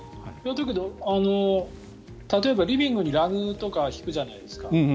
だけど、例えばリビングにラグとか敷くじゃないですか。